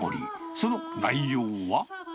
その内容は。